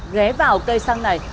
ghé vào cây xăng này